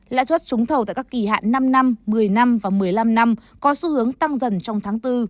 lãi suất trúng thầu tại các kỳ hạn năm năm một mươi năm và một mươi năm năm có xu hướng tăng dần trong tháng bốn